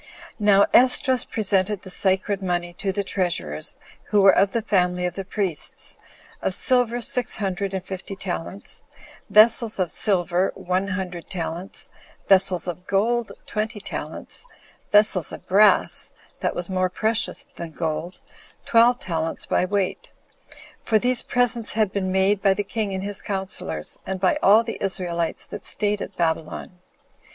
Now Esdras presented the sacred money to the treasurers, who were of the family of the priests, of silver six hundred and fifty talents, vessels of silver one hundred talents, vessels of gold twenty talents, vessels of brass, that was more precious than gold, 8 twelve talents by weight; for these Presents had been made by the king and his counselors, and by all the Israelites that staid at Babylon.